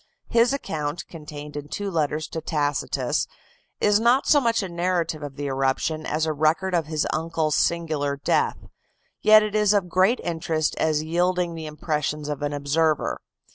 His account, contained in two letters to Tacitus (lib. vi. 16, 20), is not so much a narrative of the eruption, as a record of his uncle's singular death, yet it is of great interest as yielding the impressions of an observer.